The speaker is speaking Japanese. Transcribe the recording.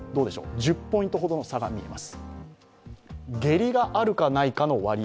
１０ポイントほどの差が見えます。